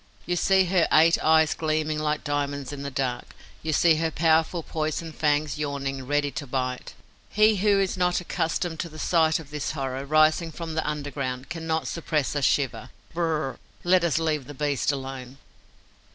You see her eight eyes gleaming like diamonds in the dark; you see her powerful poison fangs yawning, ready to bite. He who is not accustomed to the sight of this horror, rising from under the ground, cannot suppress a shiver. B r r r r! Let us leave the beast alone.